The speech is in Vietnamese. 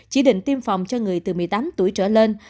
chỉ định tiêm phòng cho người từ một mươi tám tuổi trở lên